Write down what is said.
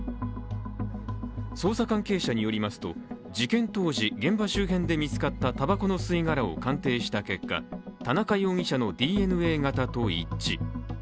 捜査関係者によりますと、事件当時、現場周辺で見つかったたばこの吸い殻を鑑定した結果、田中容疑者のＤＮＡ型と一致。